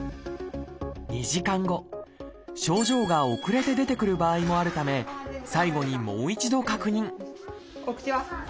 ２時間症状が遅れて出てくる場合もあるため最後にもう一度確認お口は？